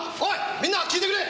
みんな聞いてくれ！